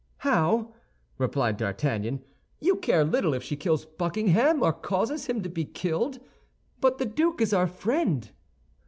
"How?" replied D'Artagnan, "you care little if she kills Buckingham or causes him to be killed? But the duke is our friend."